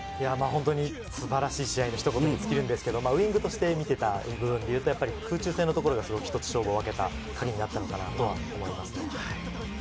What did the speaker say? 本当に素晴らしい試合という一言に尽きるんですが、ウイングとして見ていると、空中戦のところが１つ勝負を分けたカギになったのかなと思います。